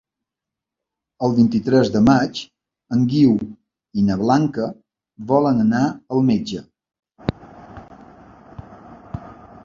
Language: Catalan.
El vint-i-tres de maig en Guiu i na Blanca volen anar al metge.